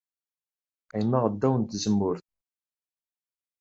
Qqimeɣ ddaw n tzemmurt.